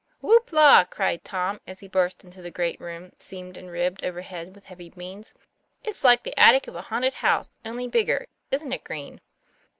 "Whoop la!" cried Tom, as he burst into the great room, seamed and ribbed overhead with heavy beams. " It's like the attic of a haunted house, only bigger isn't it, Green?"